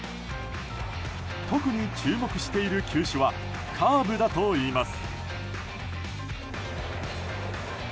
特に注目している球種はカーブだといいます。